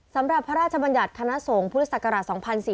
พระราชบัญญัติคณะสงฆ์พุทธศักราช๒๔๔